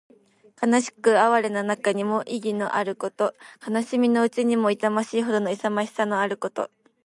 悲しく哀れな中にも意気のあること。悲しみのうちにも痛ましいほどの勇ましさのあること。